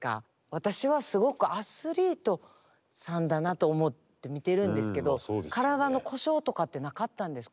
私はすごくアスリートさんだなと思って見てるんですけど体の故障とかってなかったんですか？